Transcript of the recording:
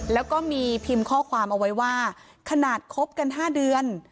แล้วก็มีพิมพ์ข้อความเอาไว้ว่าขนาดคบกัน๕เดือน